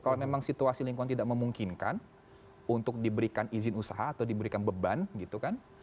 kalau memang situasi lingkungan tidak memungkinkan untuk diberikan izin usaha atau diberikan beban gitu kan